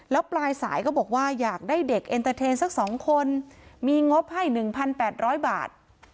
แล้วปลายสายก็บอกว่าอยากได้เด็กเอ็นเตอร์เทนสัก๒คนมีงบให้๑๘๐๐บาท